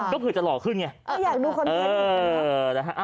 ก็เผื่อจะหล่อขึ้นไงอ่าอยากดูคนเดียวนี้